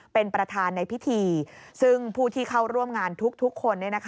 เป็นประธานในพิธีซึ่งผู้ที่เข้าร่วมงานทุกคน